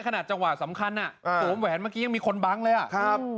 ขนาดจังหวะสำคัญอ่ะอ่าหวงแหวนมันก็ยังมีคนบังแล้วอ่ะครับ